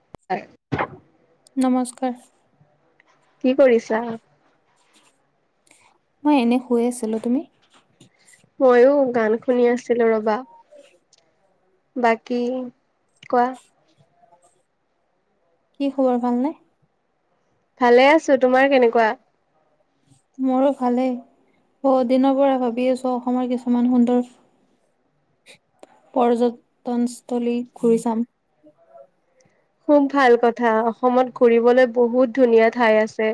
[unintelligible] নমস্কাৰ কি কৰিছা? মই এনে শুইে আছিলো তুমি মইয়ো গান শুনি আছিলো ৰবা [unintelligible] বাকী কোৱা কি খবৰ ভালনে? ভালে আছো তোমাৰ কেনেকুৱা মোৰো ভালেই। বহু দিনৰ পৰা ভাবি আছো অসমৰ কিছুমান সুন্দৰ পৰ্যটনস্থলী ঘূৰি চাম। খুব ভাল কথা অসমত ঘুৰিবলৈ বহুত ধুনীয়া ঠাই আছে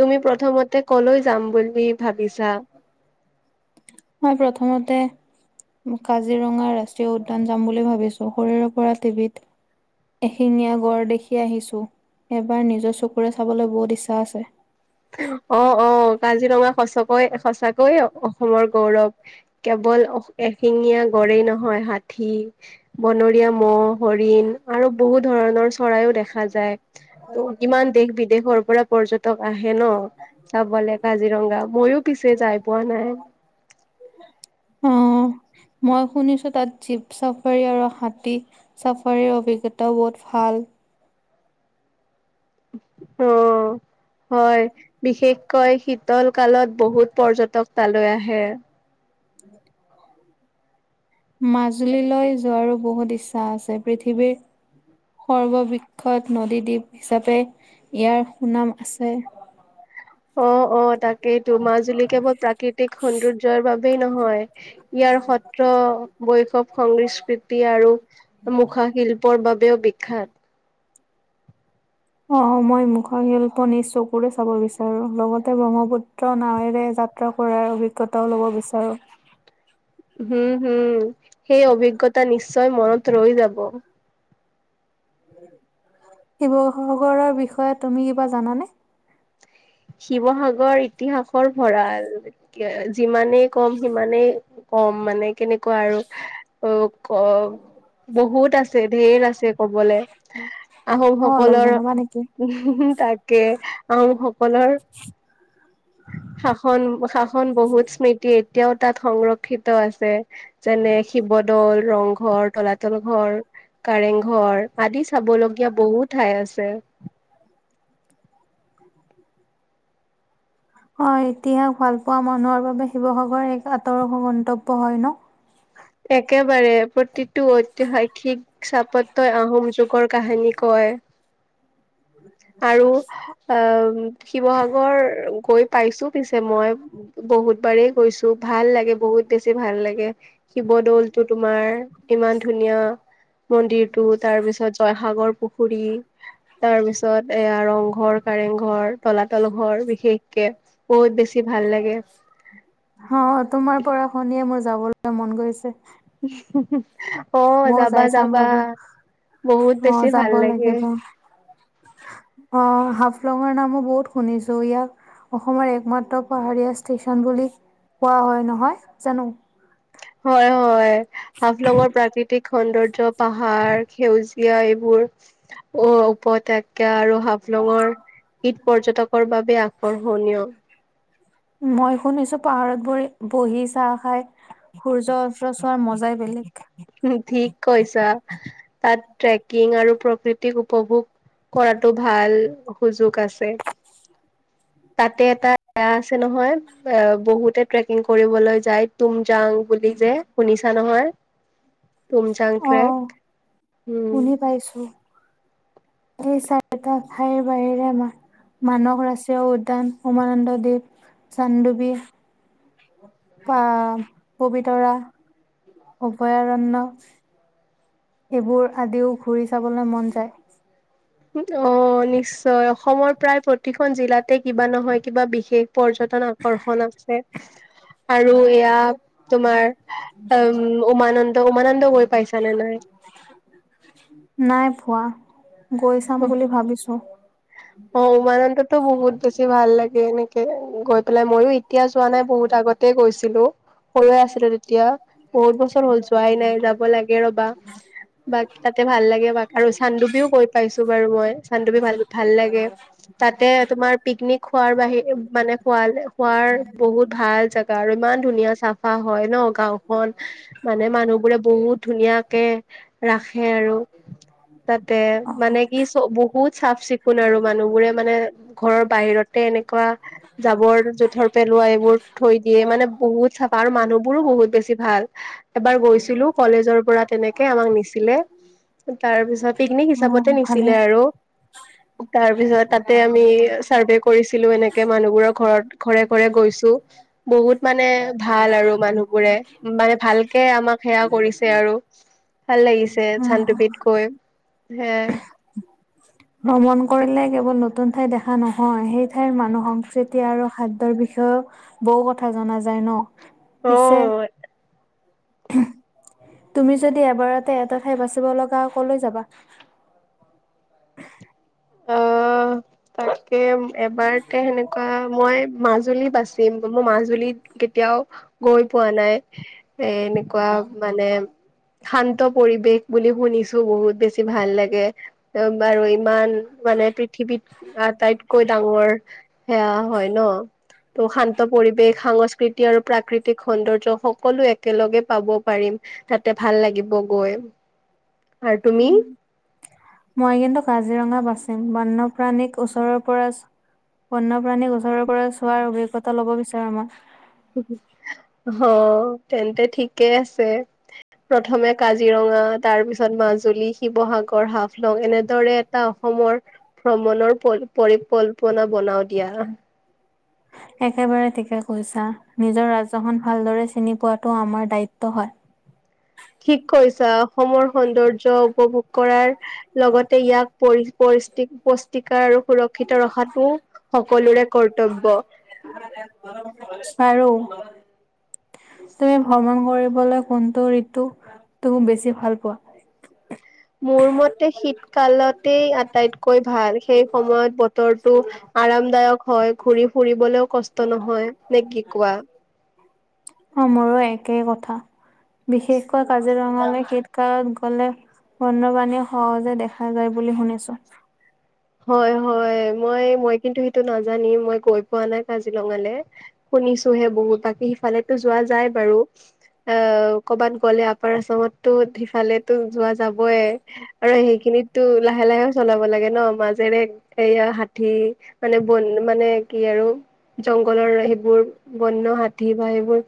তুমি প্ৰথমতে কলৈ যাম বুলি ভাবিছা? উ [unintelligible] কাজিৰঙা ৰাষ্ট্ৰীয় উদ্যান যাম বুলি ভাবিছো শৰোৰে পৰা টিভিত এশিঙীয়া গড় দেখি আহিছোঁ এবাৰ নিজৰ চকুৰে চাবলৈ বহুত ইচ্ছা আছে। অ অ কাজিৰঙা সঁচকৈয়ে সঁচাকৈয়ে অসমৰ গৌৰৱ। কেৱল এশিঙীয়া গড়ই নহয় ষাঠি বনৰীয়া মহ হৰিণ আৰু বহু ধৰণৰ চৰাইও দেখা যায় ত ইমান দেশ বিদেশৰ পৰা পৰ্যটক হে ন চাবলে কাজিৰঙা মইো পিছে যাই পোৱা নাই। অম মই শুনিছো তাত জীপ চাফাৰী আৰু হাতী চাফাৰীৰ অভিজ্ঞতাও বহুত ভাল। ভাল অম হয় বিশেষকৈ শীতল কালত বহুত পৰ্যটক তালৈ আহে। [inaudible] মাজুলীলৈ যোৱাৰো বহুত ইচ্ছা আছে পৃথিৱীৰ সৰ্ববৃক্ষৎ নদীদ্বীপ হিচাপে ইয়াৰ সুনাম আছে। অ অ তাকেইতো মাজুলী কেৱল প্ৰাকৃতিক সৌন্দৰ্যৰ বাবেই নহয় ইয়াৰ সত্ৰ বৈশৱ সংগৃষ্ট আৰু মুখা শিল্পৰ বাবেও বিখ্যাত অ মই মুখৰ শিল্প নিজ চকুৰে চাব বিচাৰো লগতে ব্ৰহ্মপুত্ৰ নাৱেৰে যাত্ৰা কৰাৰ অভিজ্ঞতাও ল'ব বিচাৰোঁ [unintelligible] হম হম সেই অভিজ্ঞতা নিশ্চয় মনত ৰৈ যাব। শিৱসাগৰৰ বিষয়ে তুমি কিবা জানানে শিৱসাগৰ ইতিহাসৰ ভঁৰাল যিমানেই কম সিমানেই কম মানে কেনেকুৱা আৰু অ ক বহুত আছে ধেৰ আছে কবলে আহোম অ অলপ সকলৰ জনাবা নেকি? উ তাকে আহোমসকলৰ শাসন শাসন বহুত স্মৃতি এতিয়াও তাত সংৰক্ষিত আছে যেনে। শিৱদৌল ৰংঘৰ তলাতল ঘৰ কাৰেংঘৰ আদি চাবলগীয়া বহু ঠাই আছে। [unintelligible] হয় ইতিহাস ভাল পোৱা মানুহৰ বাবে শিৱসাগৰ এক আঁতৰ গন্তব্য হয় ন একেবাৰে প্ৰতিটো ঐতিহাসিক চাপতই আহোম যুগৰ কাহিনী কয় [unintelligible] আৰু অ শিৱসাগৰ গৈ পাইছো পিছে মই বহুত একবাৰেই গৈছো ভাল লাগে বহুত বেছি ভাল লাগে শিৱদৌলটো তোমাৰ ইমান ধুনীয়া। মন্দিৰটো তাৰ পিছত জয়সাগৰ পুখুৰী তাৰ পিছত এয়া ৰংঘৰ। কাৰেং ঘৰ তলাতল ঘৰ বিশেষকে বহুত বেছি ভাল লাগে। অ তোমাৰ পৰা শুনিয়ে মোৰ যাবলৈ মন গৈছে। হু হু। অ ময়ও যাবা যাই চাম যাবা ৰবা। বহুত অ বেছি ভাল যাব লাগে। লাগিব। অ হাফলঙৰ নামো বহুত শুনিছো ইয়াক অসমৰ একমাত্ৰ পাহাৰীয়া ষ্টেশচন বুলি কোৱা হয় নহয় জানো হয় হয় হাফলঙৰ প্ৰাক্ তিক সৌন্দৰ্য পাহাৰ সেউজীয়া এইবোৰ অ উপত্যকা আৰু হাফলঙৰ ঈদ পৰ্যটকৰ বাবে আকৰকৰ্ষণীয় মই শুনিছো পাহাৰত বৰি বহি চাহ খাই সূৰ্য অস্ত চোৱাৰ মজাই বেলেগ ঠিক কৈছা তাত ট্ৰেকিং আৰু প্ৰকৃতিক উপভোগ কৰাতো ভাল সুযোগ আছে। তাতে এটা বেয়া আছে নহয় বহুতে ট্ৰেকিং কৰিবলৈ যায় তু যাওঁ বুলি যে শুনিছা নহয়। অ তুমচাংক্ৰেক উম কি চাৰটা খাই বাহৰেম মানস ৰাষ্ট্ৰীয় উদ্যান উমানন্দ দেৱ চান্দৱী বা পবিতৰা অভয়াৰণ্য এইবোৰ আদিও ঘূৰি চাবলৈ মন যায় অ নিশ্চয় অসমৰ প্ৰায় প্ৰতিখন জিলাতে কিবা নহয় কিবা বিশেষ পৰ্যটন আকৰ্ষণ আছে। আৰু এয়া তোমাৰ উ উমানন্দ উমানন্দ গৈ পাইছানে নাই [inaudible] নাই। পোৱা গৈ চাম বুলি ভাবিছো অ উমানন্দটো বহুত বেছি ভাল লাগে এনে। গৈ পেলাই মইো এতিয়া যোৱা নাই বহুত আগতে গৈছিলো। সৰুৱে আছিলো তেতিয়া বহুত বছৰ হ'ল যোৱাই নাই যাব লাগে ৰবা। বাক তাতে ভাল লাগে বাক আৰু চান্দুবিও গৈ পাইছো বাৰু মই চান্দুবি ভাল। ভাল লাগে। উ [unintelligible] তাতে তোমাৰ পিকনিক খোৱাৰ বাহিৰে মানে খুৱাল খোৱাৰ বহুত ভাল জোগা আৰু ইমান ধুনীয়া। ধুনীয়া চাফা হয় ন গাঁওখন মানে মানুহবোৰে বহুত ধুনীয়াকে ৰাখে। হে আৰু তাতে। মানে কি চ বহুত চাফ চিকুণ আৰু মানুহ বোৰে মানে ঘৰৰ বাহিৰতে এনেকুৱা। জাবৰ জোথৰ পেলোৱা এইবোৰ থৈ দিয়ে মানে বহুত চাফা আৰু মানুহবোৰো বহুত বেছি ভাল। এবাৰ গৈছিলো কলেজৰ পৰা তেনেকে আমাক নিছিলে তাৰ পিছত পিকনিক হিচাপত। অ', ভালে ছিলে আৰু। তাৰ পিছত তাতে আমি চাৰ্ভে কৰিছিলো এনেকে মানুহবোৰৰ ঘৰত ঘৰে ঘৰে গৈছো। বহুত মানে ভাল আৰু মানুহবোৰে মানে ভালকে আমাক সেৱয়া কৰিছে আৰু। ভাল লাগিছে উম, চানডুবিত গৈ হে। ভ্ৰমণ কৰিলে কেৱল নতুন ঠাই দেখা নহয় সেই ঠাইৰ মানুহ সংস্কৃতি আৰু খাদ্যৰ বিষয়ে। বৌ কথা জনা যায় ন। অ। পিছে তুমি যদি এবাৰতে এটা ঠাই বাচিব লগা কলৈ যাবা। অহ তাকে। এবাৰতে সেনেকুৱা মই মাজুলী বাচিম মোৰ মাজুলীত কেতিয়াও। গৈ পোৱা নাই এ এনেকুৱা মানে। শান্ত পৰিবেশ বুলি শুনিছো বহুত বেছি ভাল লাগে বাৰু ইমান। মানে পৃথিৱীত আটাইতকৈ ডাঙৰ সেয়া হয় ন। অ শান্ত পৰিবেশ সাংস্কৃতিক আৰু প্ৰাকৃতিক সৌন্দৰ্য সকলো একেলগে পাব। পাৰিম তাতে ভাল লাগিব গৈ আৰু তুমি উম মই কিন্তু কাজিৰঙা বাচিম বন্যপ্ৰাণীক ওচৰৰ পৰা বন্যপ্ৰাণী ওচৰৰ পৰা চোৱাৰ অভিজ্ঞতা লব বিচাৰো মই অ তেন্তে ঠিকেই আছে। প্ৰথমে কাজিৰঙা তাৰ পিছত মাজুলী শিৱসাগৰ হাফলং এনেদৰে এটা। অসমৰ ভ্ৰমণৰ পৰিকল্পনা বনাও দিয়া। [unintelligible] একেবাৰে কিবা কৈছা নিজৰ ৰাজ্যখন ভালদৰে চিনি পোৱাতো আমাৰ দায়িত্ব হয়। ঠিক কৈছা অসমৰ সৌন্দৰ্য উপভোগ। কৰাৰ লগতে ইয়াক পৰি পৰি পুষ্টিকাৰ আৰু সুৰক্ষিত ৰখাতো। সকলোৰে কৰ্তব্য। আৰু। তুমি ভ্ৰমণ কৰিবলৈ কোনটো ঋতু তুমি বেছি ভাল পোৱা। মোৰ মতে শীতকালতেই আটাইতকৈ ভাল সেই সময়ত বতৰটো। আৰামদায়ক হয় ঘূৰি ফুৰিবলৈও কষ্ট নহয় নে কি কোৱা। অ মোৰো একেই কথা বিশেষকৈ কাজিৰঙালৈ শীতকালত। গলে বন্যপাণীয়ে সহজে দেখা যায় বুলি শুনিছো। হয় হয় মই মই কিন্তু সেইটো নাজানিম মই গৈ পোৱা নাই কাজিৰঙালে। শুনিছোহে বহুত তাকে সিফালেতো যোৱা যায় বাৰু। অ কবাত গ'লে আপাৰ আচামতটো। সিফালেতো যোৱা যাবই আৰু সেইখিনিততো লাহে লাহে চলাব লাগে ন। যেনে এইয়া হাতী মানে বন মানে কি আৰু। জংঘলৰ সেইবোৰ বন্য হাতী বা সেইবোৰ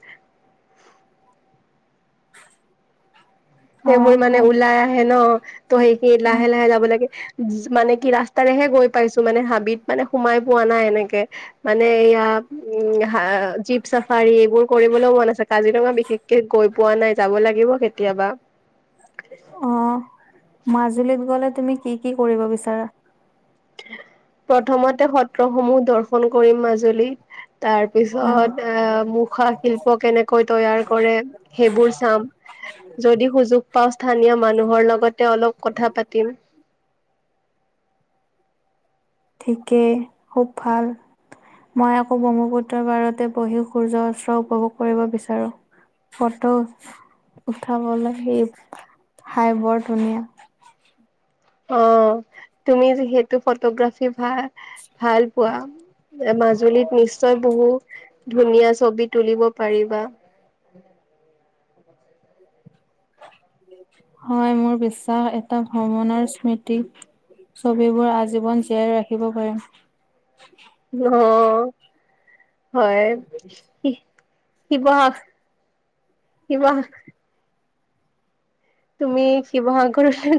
[unintelligible] অ সেইবোৰ মানে হয় ওলাই আহে ন ত সেইখিনিত লাহে লাহে যাব লাগে যো মানে কি ৰাস্তাৰেহে গৈ পাইছো মানে হাবিত মানে সোমাই পোৱা নাই এনেকে মানে এয়া। উম জীপ চাফাৰী এইবোৰ কৰিবলৈও মন আছে কাজিৰঙা বিশেষকে গৈ পোৱা নাই যাব লাগিব কেতিয়াবা অ মাজুলীত গলে তুমি কি কি কৰিব বিচাৰা প্ৰথমতে সত্ৰসমূহ দৰ্শন কৰিম মাজুলীত তাৰ উম পিছত অহ মুখা শিল্প কেনেকৈ তৈয়াৰ কৰে সেইবোৰ চাম। যদি সুযোগ পাওঁ স্থানীয় মানুহৰ লগতে অলপ কথা পাতিম ঠিকেই খুব ভাল মই আকৌ ব্ৰহ্মপুত্ৰৰ পাৰতে বহি সূৰ্য অস্ত্ৰ উপভোগ কৰিব বিচাৰো। ফটো উঠাবলৈ সি ঠাই বৰ ধুনীয়া অ তুমি যিহেতু ফটোগ্ৰাফি ভা ভাল পোৱা মাজুলীত নিশ্চয় বহু ধুনীয়া ছবি তুলিব পাৰিবা উ হয় মোৰ বিশ্বাস এটা ভ্ৰমণৰ স্মৃতি ছবিবোৰ আজীৱন জীয়াই ৰাখিব পাৰিম অ হয় শিৱসা শিব তুমি শিৱসাগৰলৈ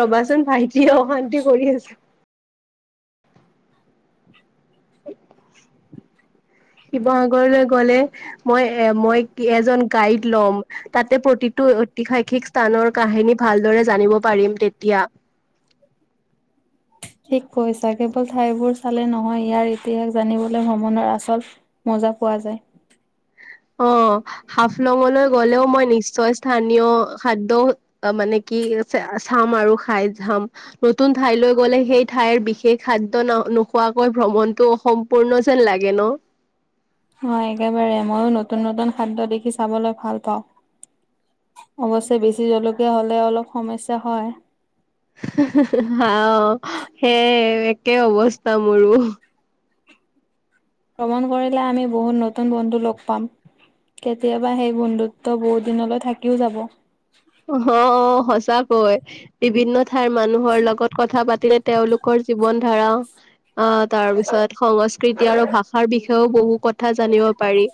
ৰবাচোন ভাইটিয়ে অশান্তি কৰি আছে। [unintelligible] শিৱসাগৰলৈ গ'লে মই এ মই এজন গাইড লম তাতে প্ৰতি প্ৰতিটো ঐতিহাসিক স্থানৰ কাহিনী ভালদৰে জানিব পাৰিম তেতিয়া। ঠিক কৈছা। কেৱল ঠাইবোৰ চালে নহয় ইয়াৰ ইতিহাস জানিবলৈ ভ্ৰমণৰ আচল বুজা পোৱা যায়। অঁ হাফলঙলৈ গ'লেও মই নিশ্চয় স্থানীয় খাদ্য মানে কি চাম আৰু খাই চাম, নতুন ঠাইলৈ গলে সেই ঠাইৰ বিশেষ খাদ্য ন নোখোৱাকৈ ভ্ৰমণতটো অসম্পূৰ্ণ যেন লাগে ন। [inaudible] অ একেবাৰে মইয়ো নতুন নতুন খাদ্য দেখি চাবলৈ ভাল পাওঁ। অৱশ্যেয়ে বেছি জলকীয়া হলে অলপ সমস্যা হয়। আহ সেই একে অৱস্থা মোৰো। ভ্ৰমণ কৰিলে আমি বহুত নতুন বন্ধু লগ পাম। কেতিয়াবা সেই বন্ধুত্ব বহুত দিনলৈ থাকিও যাব। অ অ সঁচা কৈ বিভিন্ন ঠাইৰ মানুহৰ লগত কথা পাতিলে তেওঁলোকৰ জীৱন ধা ৰা তাৰ পিছত সংস্কৃতি আৰু ভাষাৰ বিষয়েও বহু কথা জানিব পাৰি,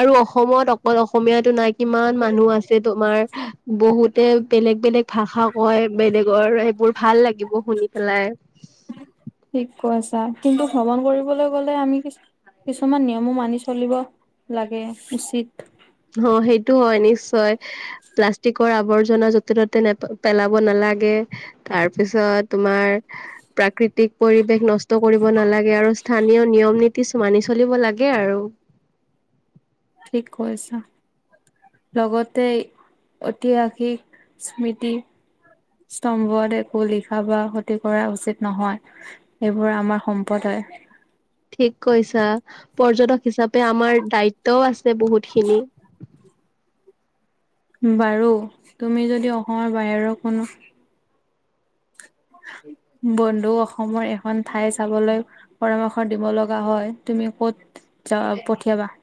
আৰু অসমত অকল অসমীয়াতো নাই কিমান মানুহ আছে তোমাৰ বহুতে বেলেগ বেলেগ ভাষা কয় বেলেগৰ এইবোৰ ভাল লাগিব শুনি পেলাই। ঠিক কৈছা কিন্তু ভ্ৰমণ কৰিবলৈ গলে আমি কি কিছুমান নিয়মো মানি চলিব লাগে উচিত অ সেইটো হয় নিশ্চয় প্লাষ্টিকৰ আৱৰ্জনা য'তে ত'তে নে পেলাব নালা নালাগে তাৰপিছত তোমাৰ প্ৰাকৃতিক পৰিৱেশ নষ্ট কৰিব নালাগে আ ৰু স্থানীয় নিয়ম নীতি মানি চলিব লাগে আৰু। ঠিক কৈছা। লগতে ঐতিহাসিক স্মৃতি স্তম্ভত একো লিখা বা ক্ষতি কৰা উচিত নহয় এইবোৰ আমাৰ সম্পদ আ [unintelligible] ঠিক কৈছা পৰ্যটক হিচাপে আমাৰ দায়িত্বও আছে বহুতখিনি। [inaudible] বাৰু তুমি যদি অসমৰ বাহিৰৰ কোনো [inaudible] বন্ধু অসমৰ এখন ঠাই চাবলৈ পৰামৰ্শ দিব লগা হয়, তুমি কত যা পঠিয়াবা?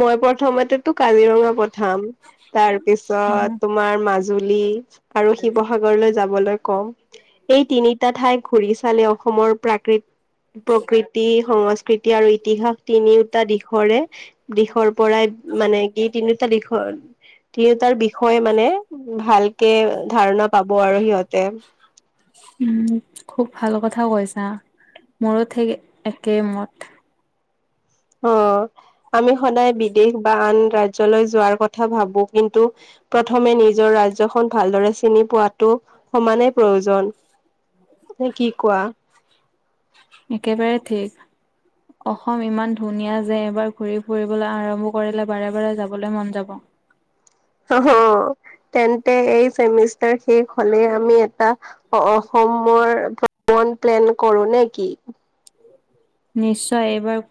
মই প্ৰথমতেতো কাজিৰঙা পঠাম তাৰ পিছত তোমাৰ মা জুলী আৰু শিৱসাগৰলৈ যা বলৈ কম। এই তিনিটা ঠাই ঘূৰি চালে অসমৰ প্ৰাকৃ প্ৰকৃতি সংস্কৃতি আৰু ইতিহাস তিনিওটা দিশৰে দিশৰ পৰাই মানে ই তিনিওটা দিশৰ তিনিওতাৰ বিষয়ে মানে ভালকে ধাৰণা পাব আৰু সিহঁতে। উম। খুব ভাল কথা কৈছা মোৰো ঠিক একেই মত। অ আমি সদায় বিদেশ বা আন ৰাজ্যলৈ যোৱাৰ কথা ভাবো কিন্তু প্ৰথমে নিজৰ ৰাজ্যখন ভালদৰে চিনি পোৱাটো সমানেই প্ৰয়োজন। তুমি কি কোৱা? একেবাৰে ঠিক। অসম ইমান ধুনীয়া যে এবাৰ ঘুৰি ফুৰিবলৈ আৰম্ভ কৰিলে বাৰে বাৰে যাবলৈ মন যাব। [inaudible] তেন্তে এই চেমিষ্টাৰ শেষ হলে আমি এটা অসমৰ ভ্ৰমণ প্লেন কৰো নে কি? নিশ্চয় এইবাৰ